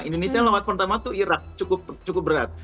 indonesia lawan pertama itu irak cukup berat